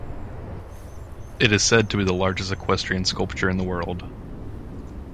It is said to be the largest equestrian sculpture in the world.